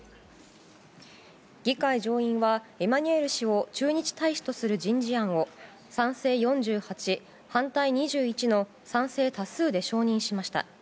議会上院は、エマニュエル氏を駐日大使とする人事案を賛成４８、反対２１の賛成多数で承認しました。